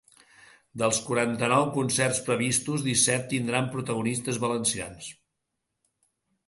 Dels quaranta-nou concerts previstos, disset tindran protagonistes valencians.